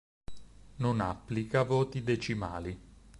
Non applica voti decimali.